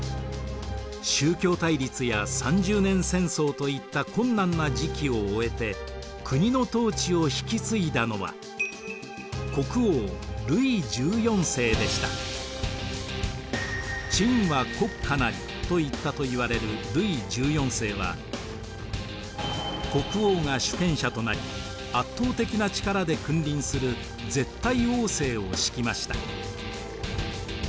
宗教対立や三十年戦争といった困難な時期を終えて国の統治を引き継いだのはと言ったといわれるルイ１４世は国王が主権者となり圧倒的な力で君臨する絶対王政を敷きました。